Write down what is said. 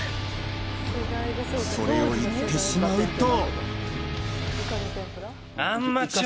それを言ってしまうと。